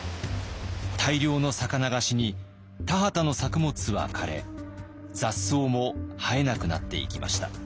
大量の魚が死に田畑の作物は枯れ雑草も生えなくなっていきました。